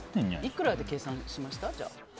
いくらで計算しました？